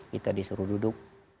kita disuruh duduk